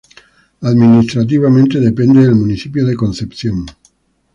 Administrativamente depende del municipio de Concepción.